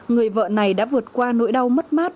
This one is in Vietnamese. người vợ này đã vượt qua nỗi đau mất mát